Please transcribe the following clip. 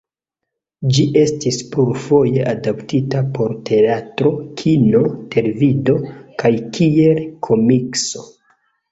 Ĝi estis plurfoje adaptita por teatro, kino, televido kaj kiel komikso.